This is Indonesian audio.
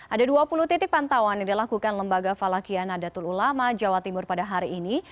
ada dua puluh titik pantauan yang dilakukan lembaga falakian nadatul ulama jawa timur pada hari ini